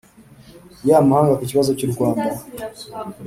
y'amahanga ku kibazo cy'u rwanda.